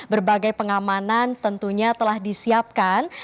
berbagai pengamanan tentunya telah disiapkan